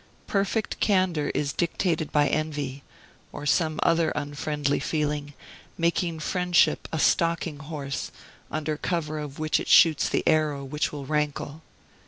Perfect candor is dictated by envy, or some other unfriendly feeling, making friendship a stalking horse, under cover of which it shoots the arrow which will rankle.